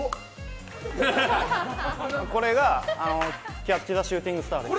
これが、キャッチ・ザ・シューティングスターです。